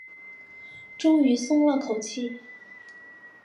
终于松了口气